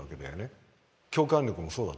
共感力もそうだと思う。